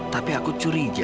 tapi aku curiga